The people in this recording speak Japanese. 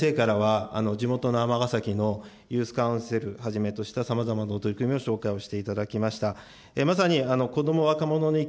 また中野先生からは、地元の尼崎のユースカウンセルをはじめとしたさまざまな取り組みを紹介をさせていただきました。